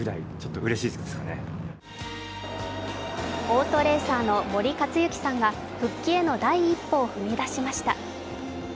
オートレーサーの森且行さんが復帰への第一歩を踏み出しました。